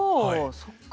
そっか。